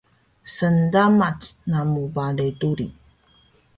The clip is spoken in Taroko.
Sndamac namu bale duri